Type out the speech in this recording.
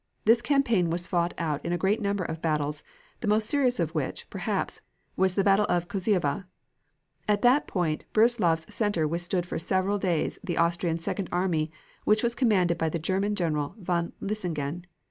This campaign was fought out in a great number of battles, the most serious of which, perhaps, was the battle of Koziowa. At that point Brussilov's center withstood for several days the Austrian second army which was commanded by the German General von Linsengen.